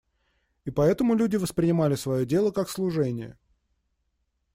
И поэтому люди воспринимали свое дело как служение.